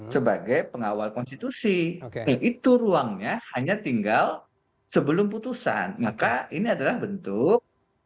sebagai pengawal konstitusi itu ruangnya hanya tinggal sebelum putusan maka ini adalah bentuk